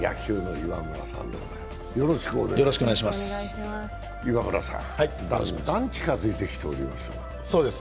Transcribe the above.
岩村さん、だんだん近づいてきておりますが。